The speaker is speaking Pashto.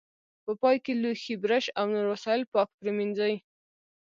په پای کې لوښي، برش او نور وسایل پاک پرېمنځئ.